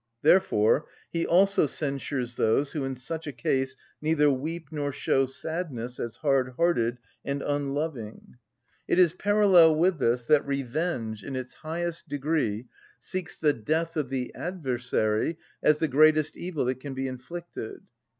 Therefore he also censures those who in such a case neither weep nor show sadness as hard‐hearted and unloving. It is parallel with this that revenge, in its highest degree, seeks the death of the adversary as the greatest evil that can be inflicted.